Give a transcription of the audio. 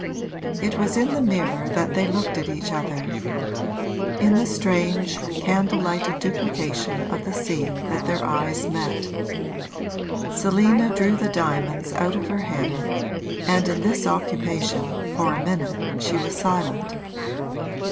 It was in the mirror that they looked at each other in the strange, candle lighted duplication of the scene that their eyes met. Selina drew the diamonds out of her hair, and in this occupation, for a minute, she was silent.